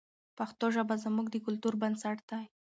پښتو ژبه زموږ د کلتور بنسټ دی.